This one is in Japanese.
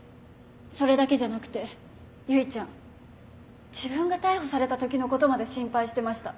それだけじゃなくて唯ちゃん自分が逮捕された時のことまで心配してました。